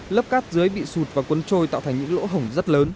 lớp cát dưới bị sụt và cuốn trôi tạo thành những lỗ hổng rất lớn